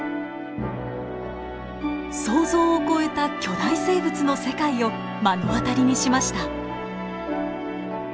想像を超えた巨大生物の世界を目の当たりにしました。